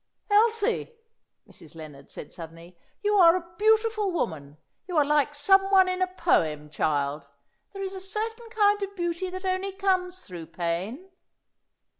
"Elsie," Mrs. Lennard said suddenly, "you are a beautiful woman. You are like some one in a poem, child! There is a certain kind of beauty that only comes through pain."